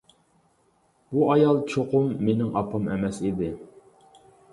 بۇ ئايال چوقۇم مېنىڭ ئاپام ئەمەس ئىدى.